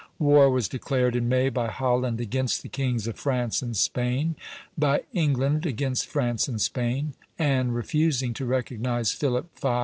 War was declared in May by Holland against the kings of France and Spain; by England against France and Spain, Anne refusing to recognize Philip V.